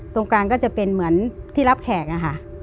ตรงกลางก็จะเป็นเหมือนที่รับแขกอะค่ะ